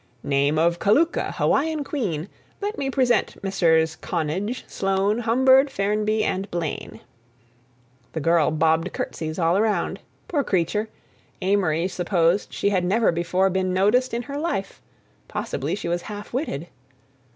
"Name of Kaluka, Hawaiian queen! Let me present Messrs. Connage, Sloane, Humbird, Ferrenby, and Blaine." The girl bobbed courtesies all around. Poor creature; Amory supposed she had never before been noticed in her life—possibly she was half witted.